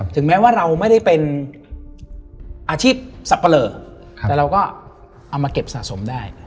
ถึงแม้ว่าเราไม่ได้เป็นอาชีพสับปะเลอแต่เราก็เอามาเก็บสะสมได้